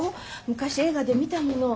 昔映画で見たもの。